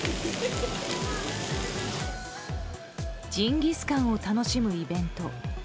ジンギスカンを楽しむイベント。